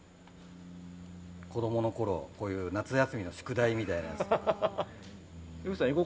子供のころ、こういう夏休みの宿題みたいなやつ。